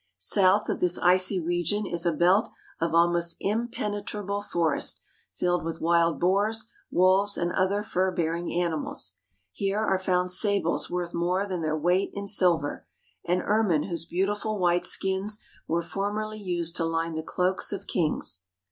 South of this icy region is a belt of almost impenetrable forest, filled with wild boars, wolves, and other fur bearing animals. Here are found sables worth more than their weight in silver, and ermine whose beautiful white skins were formerly used to line the cloaks of kings.